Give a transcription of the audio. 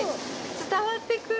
伝わってく！